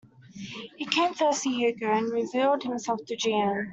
He came first a year ago, and revealed himself to Jeanne.